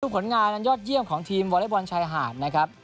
ผลงานอันยอดเยี่ยมของทีมวอเล็กบอลชายหาดนะครับ